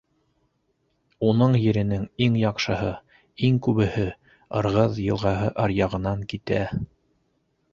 Уның еренең иң яҡшыһы, иң күбеһе Ырғыҙ йылғаһы аръяғынан китә.